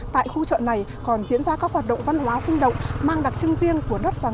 tại khu chợ này còn diễn ra các hoạt động văn hóa sinh động mang đặc trưng riêng của đất vàng